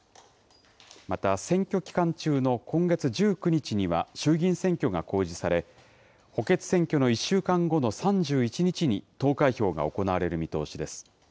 また選挙期間中の今月１９日には衆議院選挙が公示され、補欠選挙の１週間後の３１日に投開票が行われる見通しです。